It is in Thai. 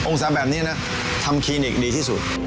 ศาแบบนี้นะทำคลินิกดีที่สุด